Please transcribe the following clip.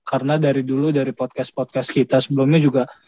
karena dari dulu dari podcast podcast kita sebelumnya juga